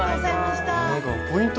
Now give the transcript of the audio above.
ポイント